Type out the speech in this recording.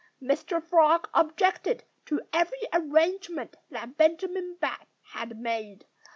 Mr. Frog objected to every arrangement that Benjamin Bat had made.